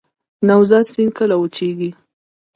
نوزاد سیند کله وچیږي؟